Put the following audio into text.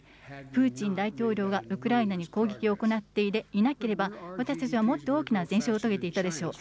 プーチン大統領がウクライナに攻撃を行っていなければ、私たちはもっと大きな前進を遂げていたでしょう。